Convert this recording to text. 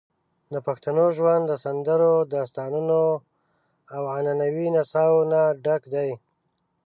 د پښتنو ژوند د سندرو، داستانونو، او عنعنوي نڅاوو نه ډک دی.